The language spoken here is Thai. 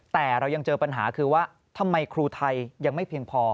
แต่เรายังเจอปัญหาคือว่าทำไมครูไทยยังไม่เพียงพอ